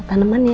eh tanaman ya